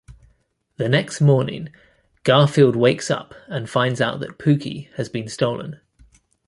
The next morning, Garfield wakes up and finds out that Pooky has been stolen.